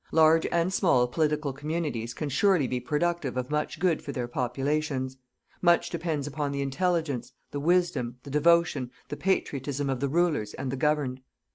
Large and small political communities can surely be productive of much good for their populations. Much depends upon the intelligence, the wisdom, the devotion, the patriotism of the rulers and the governed.